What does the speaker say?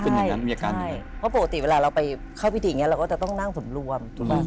เพราะปกติเวลาเราเข้าพิธีอย่างงี้เราก็จะต้องนั่งส่วนรวม